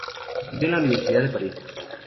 Estudió en la Universidad de París.